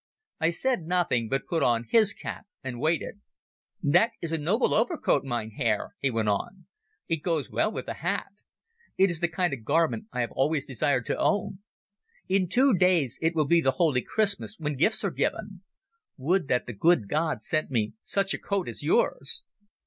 I said nothing, but put on his cap and waited. "That is a noble overcoat, mein Herr," he went on. "It goes well with the hat. It is the kind of garment I have always desired to own. In two days it will be the holy Christmas, when gifts are given. Would that the good God sent me such a coat as yours!"